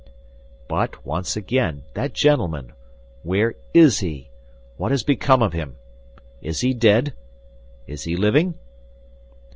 "But once again, that gentleman—where is he? What has become of him? Is he dead? Is he living?"